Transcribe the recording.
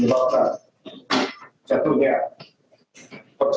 senior dan rekan yang saya hormati